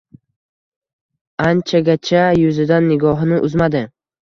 Anchagacha yuzidan nigohini uzmadi.